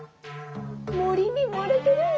もりにもれてる！